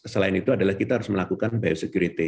selain itu adalah kita harus melakukan biosecurity